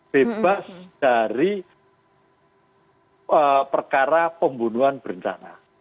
bebas dari perkara pembunuhan berencana